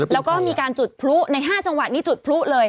แล้วก็มีการจุดพลุใน๕จังหวัดนี่จุดพลุเลย